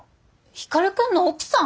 光くんの奥さん！？